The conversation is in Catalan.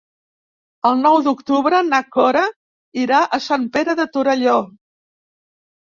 El nou d'octubre na Cora irà a Sant Pere de Torelló.